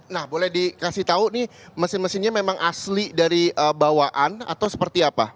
nah boleh dikasih tahu nih mesin mesinnya memang asli dari bawaan atau seperti apa